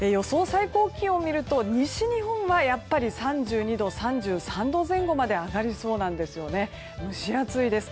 最高気温を見ると西日本はやっぱり３２度、３３度前後まで上がりそうなんです。